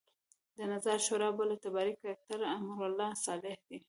د نظار شورا بل اعتباري کرکټر امرالله صالح دی.